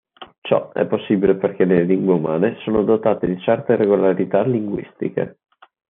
Ciò è possibile perché le lingue umane sono dotate di certe regolarità linguistiche.